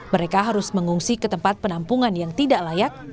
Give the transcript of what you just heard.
mereka harus mengungsi ke tempat penampungan yang tidak layak